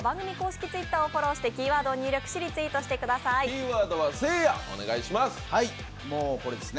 キーワードはせいや、お願いします。